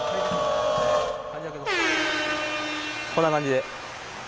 こんな感じで？